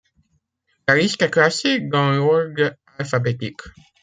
La liste est classée dans l'ordre alphabétique.